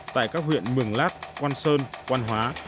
tại các huyện mường lát quang sơn quang hóa